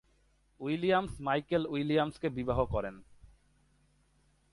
Williams Michael Williams কে বিবাহ করেন।